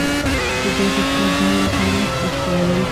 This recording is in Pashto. زه د کور دنده په وخت بشپړوم.